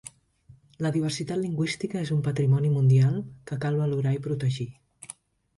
La diversitat lingüística es un patrimoni mundial que cal valorar i protegir.